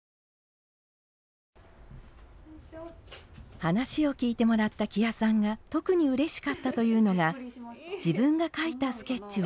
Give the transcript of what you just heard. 話を聞いてもらった木屋さんが特にうれしかったというのが自分が描いたスケッチを褒めてもらったこと。